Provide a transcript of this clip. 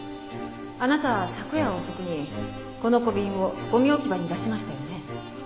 あなた昨夜遅くにこの小瓶をゴミ置き場に出しましたよね？